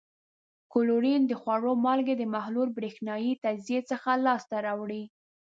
کلورین د خوړو مالګې د محلول برېښنايي تجزیې څخه لاس ته راوړي.